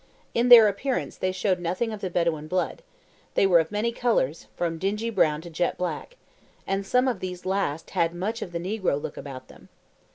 In their appearance they showed nothing of the Bedouin blood; they were of many colours, from dingy brown to jet black, and some of these last had much of the negro look about them.